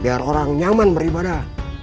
biar orang nyaman beribadah